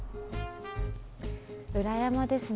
裏山ですね